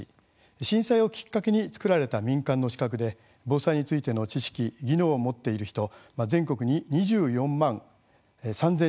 震災をきっかけに作られた民間の資格で、防災についての知識、技能を持っている人全国に２４万３０００人います。